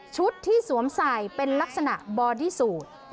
ที่สวมใส่เป็นลักษณะบอดี้สูตร